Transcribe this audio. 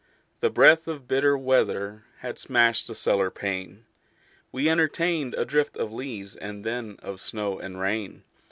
The breath of bitter weather Had smashed the cellar pane: We entertained a drift of leaves And then of snow and rain.